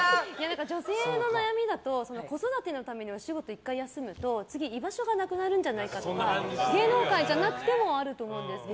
女性の悩みだと子育てのためにお仕事を１回休むと次、居場所がなくなるんじゃないかとか芸能界じゃなくてもあると思うんですけど。